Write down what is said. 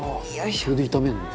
これで炒めるの？」